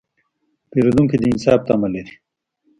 پیرودونکی د انصاف تمه لري.